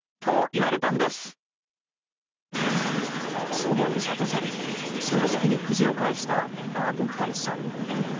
祖母に諭され、正直にくじを返したアブハイさん。